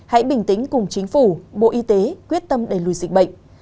hãy bình tĩnh cùng chính phủ bộ y tế quyết tâm đẩy lùi dịch bệnh